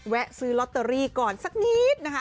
ซื้อลอตเตอรี่ก่อนสักนิดนะคะ